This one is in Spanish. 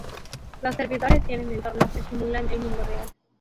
Los servidores tienen entornos que simula el mundo real.